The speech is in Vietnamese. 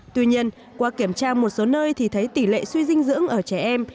tuy nhiên qua kiểm tra một số nơi thì thấy tỷ lệ suy dinh dưỡng ở trẻ em